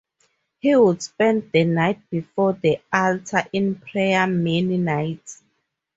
He would spend the night before the altar in prayer many nights.